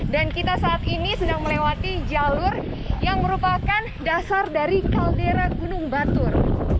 dan kita saat ini sedang melewati jalur yang merupakan dasar dari kaldera gunung batur